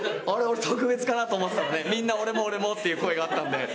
俺特別かなと思ってたのでみんな俺も俺もっていう声があったんで。